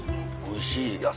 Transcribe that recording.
おいしい。